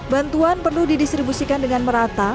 bantuan perlu didistribusikan dengan merata